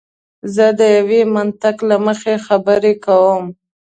زه د یوه منطق له مخې خبره کوم.